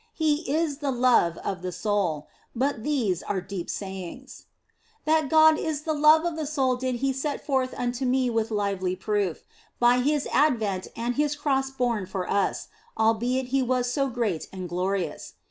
He is the love of the soul. But these are deep sayings. That God is the love of the soul did He set forth unto me with lively proof, by His advent and His Cross borne 162 THE BLESSED ANGELA for us, albeit He was so great and glorious.